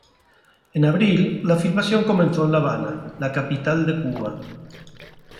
En abril, la filmación comenzó en La Habana, la capital de Cuba.